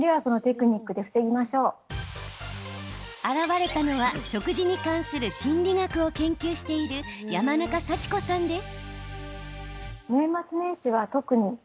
現れたのは、食事に関する心理学を研究している山中祥子さんです。